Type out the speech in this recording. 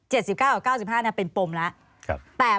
๗๙หรือ๙๕เป็นปมแล้ว